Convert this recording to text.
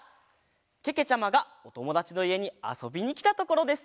けけちゃまがおともだちのいえにあそびにきたところです。